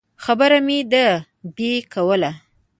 خبره مې د بیې کوله.